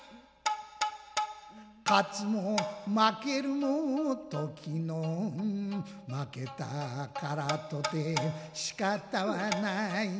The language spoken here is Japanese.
勝つも負けるも時の運負けたからとてしかたはないが